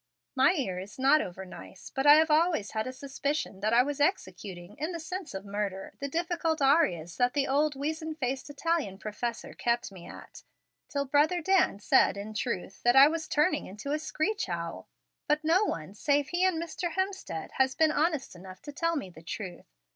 My ear is not over nice, but I have always had a suspicion that I was executing, in the sense of murder, the difficult arias that the old weazen faced Italian professor kept me at till brother Dan said, in truth, that I was turning into a screech owl. But no one, save he and Mr. Hemstead, has been honest enough to tell me the truth.